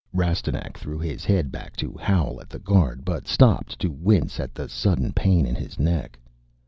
Rastignac threw his head back to howl at the guard but stopped to wince at the sudden pain in his neck.